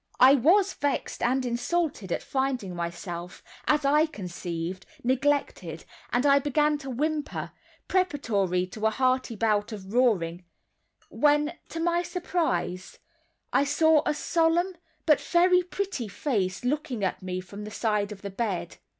I was vexed and insulted at finding myself, as I conceived, neglected, and I began to whimper, preparatory to a hearty bout of roaring; when to my surprise, I saw a solemn, but very pretty face looking at me from the side of the bed.